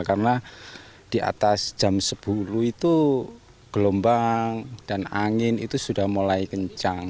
karena di atas jam sepuluh itu gelombang dan angin itu sudah mulai kencang